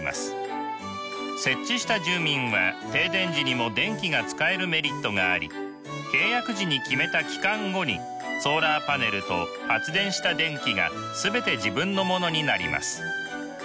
設置した住民は停電時にも電気が使えるメリットがあり契約時に決めた期間後にソーラーパネルと発電した電気が全て自分のものになります。